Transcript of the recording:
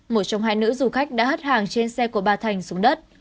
một trong hai nữ du khách đã hất hàng trên xe của bà thành xuống đất